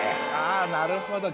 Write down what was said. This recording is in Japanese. ああなるほど。